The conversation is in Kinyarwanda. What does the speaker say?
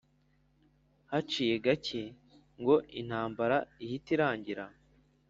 haciye gake ngo intambara ihite irangira